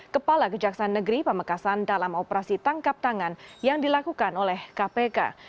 kepala kejaksaan negeri pamekasan dalam operasi tangkap tangan yang dilakukan oleh kpk